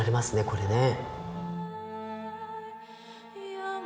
これね。